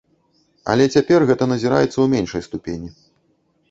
Але цяпер гэта назіраецца ў меншай ступені.